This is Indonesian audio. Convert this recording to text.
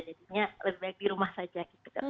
jadinya lebih baik di rumah saja